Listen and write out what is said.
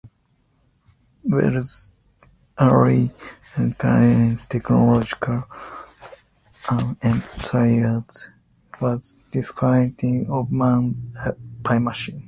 Wells early emphasized that technological unemployment was displacing of men by machines.